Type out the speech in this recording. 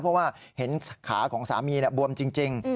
เพราะว่าเห็นขาของสามีบวมจริง